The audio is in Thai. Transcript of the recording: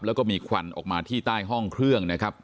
แล้วก็มีควันออกมาที่ใต้ห้องเครื่องนะครับ